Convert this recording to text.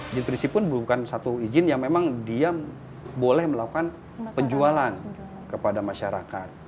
nutrisi pun bukan satu izin yang memang dia boleh melakukan penjualan kepada masyarakat